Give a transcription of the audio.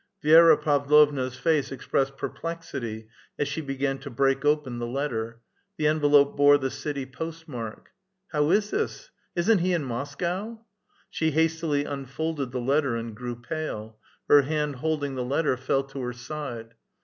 Vi^ra Pavlovna's face expressed perplexity, as she began to break open the letter; the envelope bore the citv post mark. How is this ? Isn't he in Moscow ?" She hastily unfolded the letter and grew pale ; her hand holding the letter fell to her side.